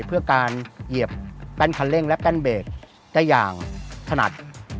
เพื่อการเหยียบแป้นคันเร่งและแป้นเบรกได้อย่างถนัด